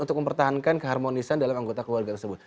untuk mempertahankan keharmonisan dalam anggota keluarga tersebut